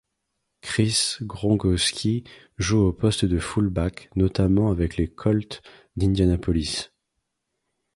Chris Gronkowski joue au poste de fullback notamment avec les Colts d'Indianapolis.